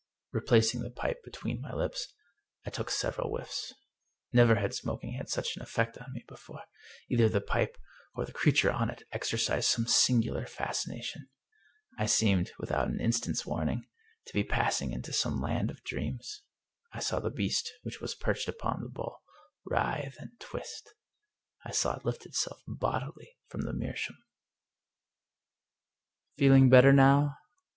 Replacing the pipe between my lips I took several whiffs. Never had smoking had such an effect on me before. Either the pipe, or the creature on it, exercised some singular fascination. I seemed, without an instant's warning, to be passing into some land of dreams. I saw the beast, which was perched upon the bowl, writhe and twist I saw it lift itself bodily from the meerschaum. 224 The Pipe II " Feeling better now?